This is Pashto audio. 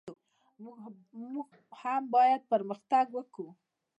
موږ هم باید پرمختګ وکړو.